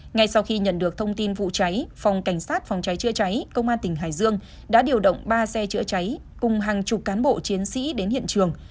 ngay sau khi nhận được thông tin vụ cháy phòng cảnh sát phòng cháy chữa cháy công an tỉnh hải dương đã điều động ba xe chữa cháy cùng hàng chục cán bộ chiến sĩ đến hiện trường